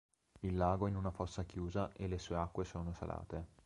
Il lago è in una fossa chiusa e le sue acque sono salate.